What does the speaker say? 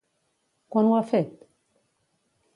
Quan ho ha fet?